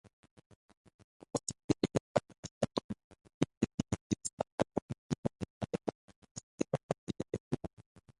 Konsiderindan atenton li dediĉis al la origino de la nerva sistemo kaj ĝia evoluo.